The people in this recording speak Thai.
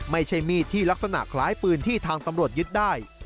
ไม่ใช่มีดที่ลักษณะคล้ายปืนที่ทางตำรวจยึดได้